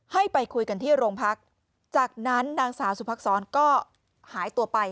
ให้ไปคุยกันที่โรงพักจากนั้นนางสาวสุภักษรก็หายตัวไป